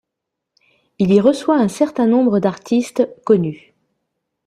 Il y reçoit un certain nombre d'artistes connus.